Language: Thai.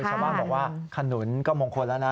ชาวบ้านบอกว่าขนุนก็มงคลแล้วนะ